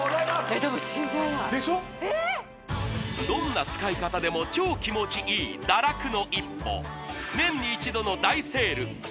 どんな使い方でも超気持ちいい堕落の一歩年に一度の大セール！